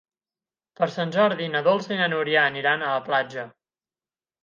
Per Sant Jordi na Dolça i na Núria aniran a la platja.